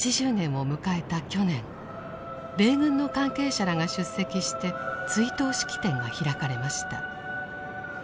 去年米軍の関係者らが出席して追悼式典が開かれました。